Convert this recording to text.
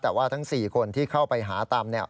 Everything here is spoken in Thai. แต่ว่าทั้ง๔คนที่เข้าไปหาตำเนี่ย